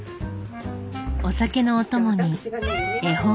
お酒のお供に絵本。